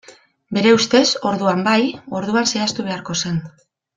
Bere ustez, orduan bai, orduan zehaztu beharko zen.